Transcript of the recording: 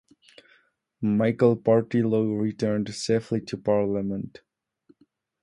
Michael Portillo returned safely to Parliament.